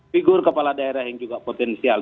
figur kepala daerah yang juga potensial